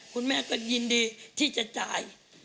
คุณแม่ก็ยินดีที่จะจ่าย